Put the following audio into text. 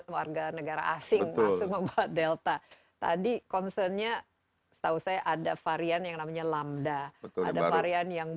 yang langsung membuat delta tadi concern nya setahu saya ada varian yang namanya lambda ada varian yang